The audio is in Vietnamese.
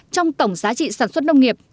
trong tổng giá trị sản xuất nông nghiệp